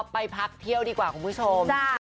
ไปพักเที่ยวดีกว่าคุณผู้ชม